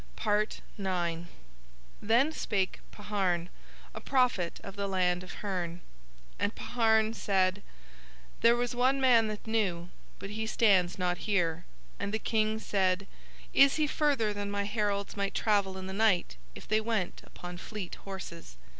IX Then spake Paharn, a prophet of the land of Hurn. And Paharn said: "There was one man that knew, but he stands not here." And the King said: "Is he further than my heralds might travel in the night if they went upon fleet horses?"